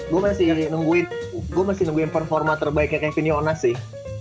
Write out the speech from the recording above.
gue masih nungguin performa terbaiknya kevin yonas sih